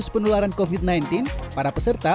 penularan kofit sembilan belas para peserta